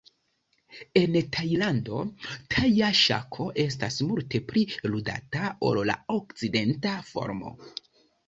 En Tajlando, taja ŝako estas multe pli ludata ol la okcidenta formo.